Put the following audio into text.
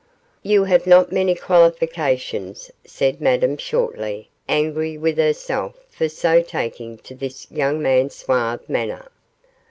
'You have not many qualifications,' said Madame, shortly, angry with herself for so taking to this young man's suave manner.